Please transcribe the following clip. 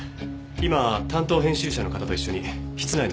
今担当編集者の方と一緒に室内の確認を。